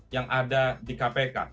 yang ada di kpk